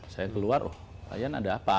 saya keluar oh pak jan ada apa